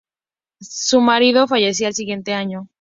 Su marido fallecería el siguiente año.